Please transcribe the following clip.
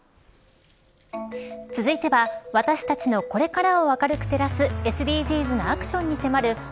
続いては、私たちのこれからを明るく照らすＳＤＧｓなアクションに迫る＃